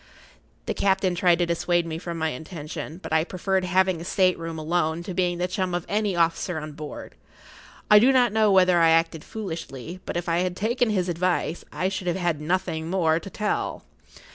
The captain tried to dissuade me from my intention, but I preferred having a state room alone[Pg 33] to being the chum of any officer on board. I do not know whether I acted foolishly, but if I had taken his advice I should have had nothing more to tell.